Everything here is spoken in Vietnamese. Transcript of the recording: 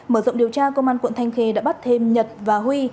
mở rộng điều tra công an quận thanh khê đã bắt thêm nhật và huy